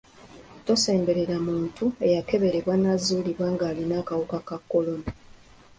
Tosemberera omuntu eyakeberebwa n'azuulibwa ng'alina akawuka ka kolona.